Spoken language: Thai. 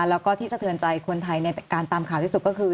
แล้วก็ที่สะเทือนใจคนไทยในการตามข่าวที่สุดก็คือ